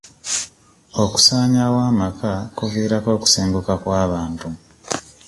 Okusaanyaawo amaka kuviirako okusenguka kw'abantu.